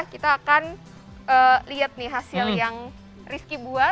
kita akan lihat nih hasil yang rifki buat